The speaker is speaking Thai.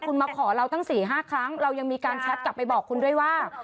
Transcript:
คุณมาขอเราทั้ง๔๕ครั้งเรายังมีการแชทกลับไปบอกคุณด้วยว่า